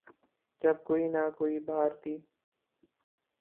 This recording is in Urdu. جب کوئی نہ کوئی بھارتی